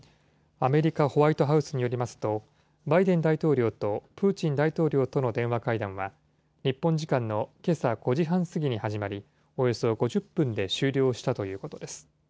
アメリカ、ホワイトハウスによりますと、バイデン大統領とプーチン大統領との電話会談は、日本時間のけさ５時半過ぎに始まり、およそ５０分で終了したということです。